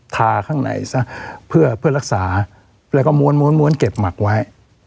ทาข้างในซะเพื่อรักษาแล้วก็ม้วนเก็บหมักไว้